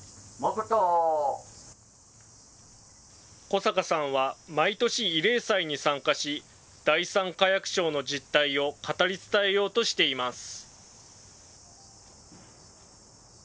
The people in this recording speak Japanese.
小坂さんは毎年、慰霊祭に参加し、第三火薬廠の実態を語り伝えようとしています。